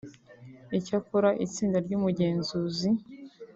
Icyakora itsinda ry’ubugenzuzi